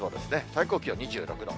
最高気温２６度。